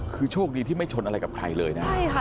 คือโชคดีที่ไม่ชนอะไรกับใครเลยนะ